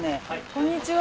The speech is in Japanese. こんにちは。